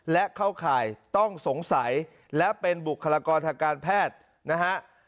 และเข้าข่ายต้องสงสัยและเป็นบุคลากรทางการแพทย์นะฮะ